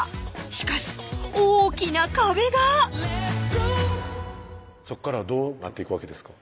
しかし大きな壁がそこからはどうなっていくわけですか？